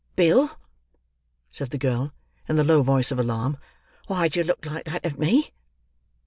"Bill," said the girl, in the low voice of alarm, "why do you look like that at me!"